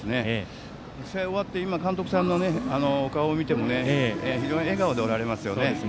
試合が終わって今監督さんの顔を見ても非常に笑顔でおられますよね。